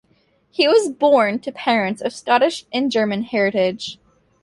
He was born to parents of Scottish and German heritage.